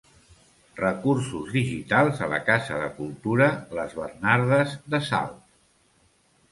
Recursos digitals a la Casa de Cultura les Bernardes de Salt.